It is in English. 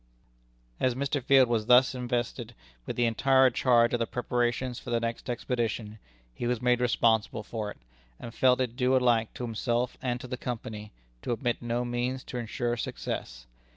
As Mr. Field was thus invested with the entire charge of the preparations for the next expedition, he was made responsible for it, and felt it due alike to himself and to the Company to omit no means to insure success.